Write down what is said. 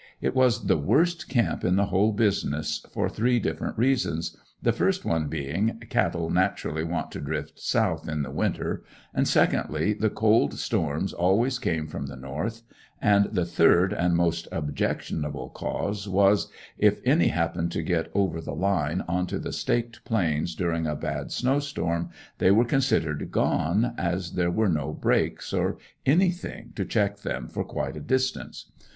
It was the worst camp in the whole business, for three different reasons, the first one being, cattle naturally want to drift south in the winter, and secondly, the cold storms always came from the north, and the third and most objectionable cause was, if any happened to get over the line onto the Staked plains during a bad snow storm they were considered gone, as there were no "breaks" or anything to check them for quite a distance.